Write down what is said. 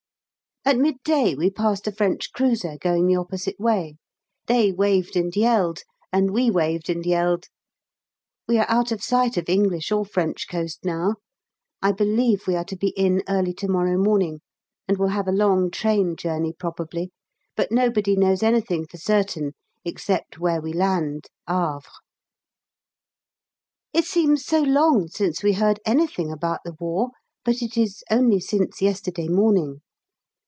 At midday we passed a French cruiser, going the opposite way. They waved and yelled, and we waved and yelled. We are out of sight of English or French coast now. I believe we are to be in early to morrow morning, and will have a long train journey probably, but nobody knows anything for certain except where we land Havre. It seems so long since we heard anything about the war, but it is only since yesterday morning.